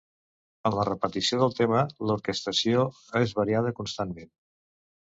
En la repetició del tema l'orquestració és variada constantment.